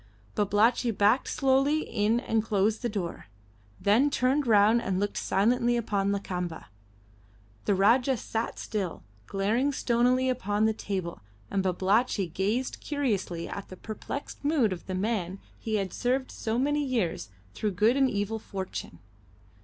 Babalatchi backed slowly in and closed the door, then turned round and looked silently upon Lakamba. The Rajah sat still, glaring stonily upon the table, and Babalatchi gazed curiously at the perplexed mood of the man he had served so many years through good and evil fortune.